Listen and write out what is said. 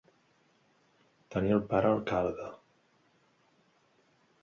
Tenir el pare alcalde.